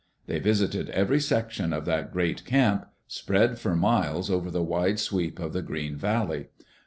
They visited every section of that great camp, spread for miles over the wide sweep of the green valley.